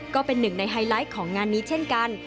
ก็เป็นหนึ่งในไฮไลท์ของงานนี้เช่นกัน